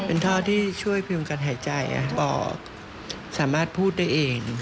เป็นท่อที่ช่วยพยพงษ์ในพ่อสามารถพูดได้เอง